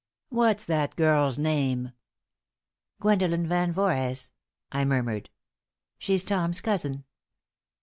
What's that girl's name?" "Gwendolen Van Voorhees," I murmured. "She's Tom's cousin."